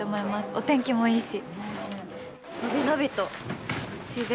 お天気もいいし。